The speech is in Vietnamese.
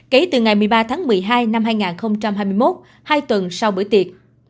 kể từ ngày một mươi ba tháng một mươi hai năm hai nghìn hai mươi một hai tuần sau bữa tiệc